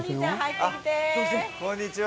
こんにちは！